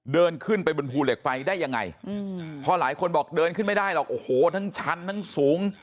เดินขึ้นไปบนภูเหล็กไฟได้ยังไงพอหลายคนบอกเดินขึ้นไม่ได้หรอกโอ้โหทั้งชั้นทั้งสูง